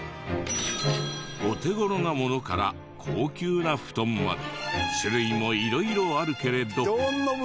お手頃なものから高級な布団まで種類も色々あるけれど。